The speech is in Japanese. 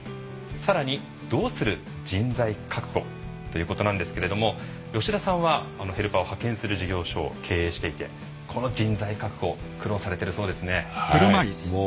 ということなんですけれども吉田さんはヘルパーを派遣する事業所を経営していてこの人材確保苦労されてるそうですね。